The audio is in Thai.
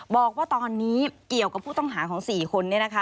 บอกว่าตอนนี้เกี่ยวกับผู้ต้องหาของ๔คน